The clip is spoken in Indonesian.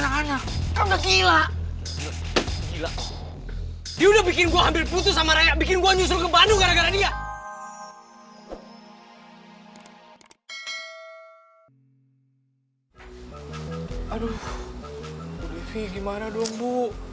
aduh bu devi gimana dong bu